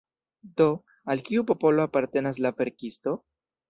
Do, al kiu popolo apartenas la verkisto?